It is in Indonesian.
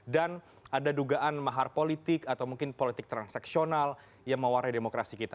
dan ada dugaan mahar politik atau mungkin politik transaksional yang mewarai demokrasi kita